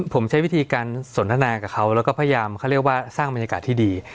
ผมใช้วิธีการสนทนากับเขาแล้วก็พยายามเขาเรียกว่าสร้างบรรยากาศที่ดี